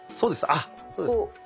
あそうです。